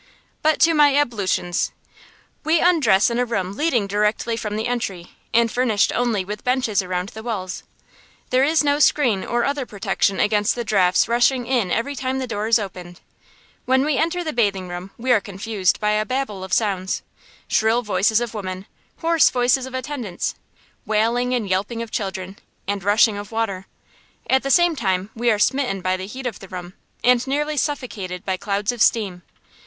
But to my ablutions! We undress in a room leading directly from the entry, and furnished only with benches around the walls. There is no screen or other protection against the drafts rushing in every time the door is opened. When we enter the bathing room we are confused by a babel of sounds shrill voices of women, hoarse voices of attendants, wailing and yelping of children, and rushing of water. At the same time we are smitten by the heat of the room and nearly suffocated by clouds of steam.